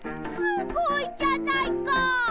すごいじゃないか！